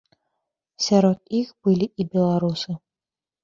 Сярод іх былі і беларусы.